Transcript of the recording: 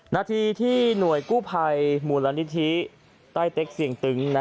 นาทีที่หน่วยกู้ภัยมูลนิธิใต้เต็กเสียงตึง